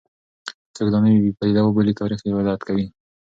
که څوک دا نوې پدیده وبولي، تاریخ یې رد کوي.